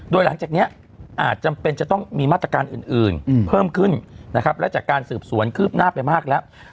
โดยหลังจากนี้อาจจำเป็นจะต้องมีมาตรการอื่นเพิ่มขึ้นนะครับและจากการสืบสวนคืบหน้าไปมากแล้ว